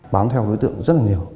bám theo đối tượng rất là nhiều